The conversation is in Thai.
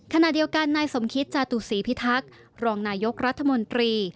ขณะเดียวกันนายสมคิตจาตุศรีพิทักษ์รองนายกรัฐมนตรี